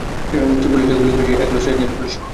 তুই পুলিশকে গুলি করেছিস, এক লস এঞ্জেলস পুলিশকে।